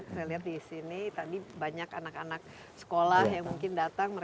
saya lihat di sini tadi banyak anak anak sekolah yang mungkin datang